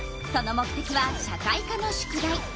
その目てきは社会科の宿題。